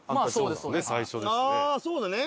ああーそうだね！